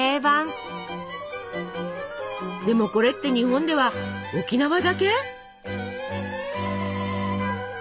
でもこれって日本では沖縄だけ？